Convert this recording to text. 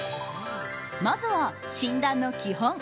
まずは診断の基本。